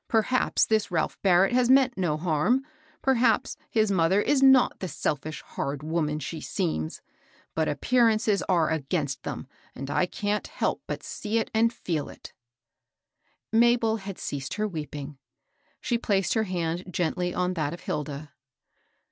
Per haps this Ralph Barrett has meant no harm ; per haps his mother is not the selfish, hard woman she seems ; but appearances are against them, and I can't help Lut see it and feel it/* Mabel had ceased her weeping. She placed her hand gently on that of Hilda.